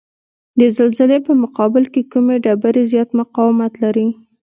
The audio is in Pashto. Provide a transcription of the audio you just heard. د زلزلې په مقابل کې کومې ډبرې زیات مقاومت لري؟